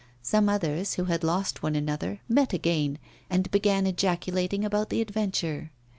Some others, who had lost one another, met again, and began ejaculating about the adventure.